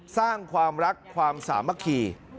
สร้างความรักความสามัคคี